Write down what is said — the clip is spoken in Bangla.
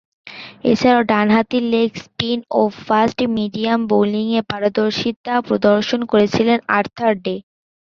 এছাড়াও, ডানহাতি লেগ স্পিন ও ফাস্ট মিডিয়াম বোলিংয়ে পারদর্শিতা প্রদর্শন করেছেন আর্থার ডে।